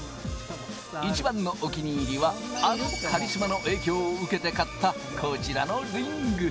一番のお気に入りは、あのカリスマの影響を受けて買ったこちらのリング。